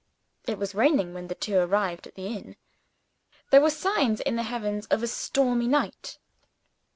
It was raining when the two arrived at the inn. There were signs in the heavens of a stormy night.